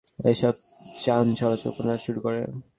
কিন্তু কয়েক মাস আগে হঠাৎ নগরে এসব যান চলাচল পুনরায় শুরু করে।